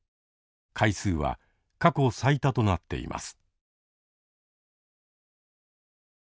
回数は過去最多となっています。